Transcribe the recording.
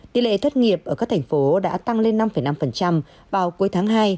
tỷ lệ thất nghiệp ở các thành phố đã tăng lên năm năm vào cuối tháng hai